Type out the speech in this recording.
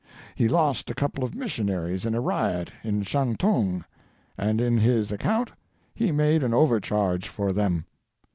He lost a couple of missionaries in a riot in Shantung, and in his account he made an overcharge for them.